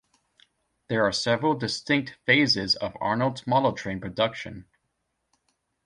There are several distinct phases of Arnold's model train production.